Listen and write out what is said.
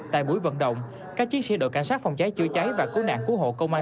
tại buổi vận động các chiến sĩ đội cảnh sát phòng cháy chữa cháy và cứu nạn cứu hộ công an